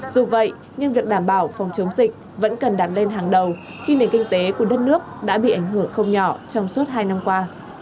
dù vậy nhưng việc đảm bảo phòng chống dịch vẫn cần đặt lên hàng đầu khi nền kinh tế của đất nước đã bị ảnh hưởng không nhỏ trong suốt hai năm qua